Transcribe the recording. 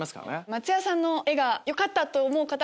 松也さんの絵がよかったと思う方